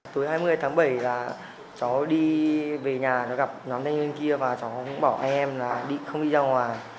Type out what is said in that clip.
tối hai mươi tháng bảy là chó đi về nhà gặp nhóm thanh niên kia và chó cũng bảo em là không đi ra ngoài